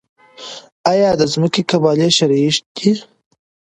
آیا د ځمکې قبالې شرعي دي؟